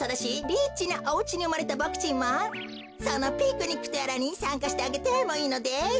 リッチなおうちにうまれたボクちんもそのピクニックとやらにさんかしてあげてもいいのです。